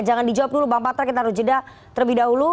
jangan dijawab dulu bang patra kita harus jeda terlebih dahulu